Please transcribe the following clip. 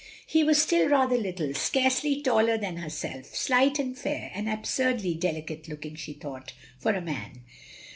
He was still rather little, scarcely taller than herself; slight and fair, and absurdly delicate looking, she thought, for a man.